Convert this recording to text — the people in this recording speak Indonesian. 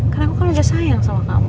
karena aku kan udah sayang sama kamu